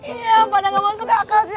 iya padahal gak masuk kakak sih